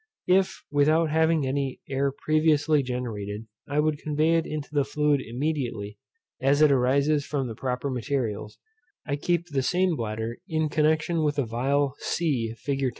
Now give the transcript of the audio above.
If, without having any air previously generated, I would convey it into the fluid immediately as it arises from the proper materials, I keep the same bladder in connection with a phial c fig.